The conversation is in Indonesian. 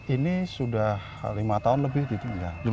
ini sudah lima tahun lebih ditunda